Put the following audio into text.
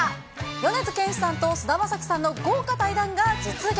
米津玄師さんと菅田将暉さんの豪華対談が実現。